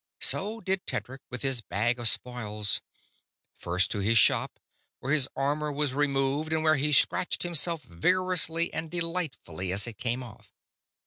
So did Tedric, with his bag of spoils. First to his shop, where his armor was removed and where he scratched himself vigorously and delightfully as it came off.